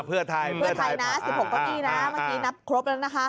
เพื่อไทยนะ๑๖ก้อนอี้นะเมื่อกี้นับครบแล้วนะคะ